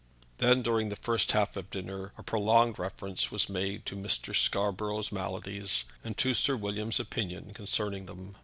Then during the first half of dinner a prolonged reference was made to Mr. Scarborough's maladies, and to Sir William's opinion concerning them.